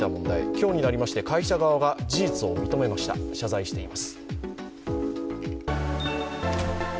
今日になりまして会社側が事実を認めました、謝罪しています。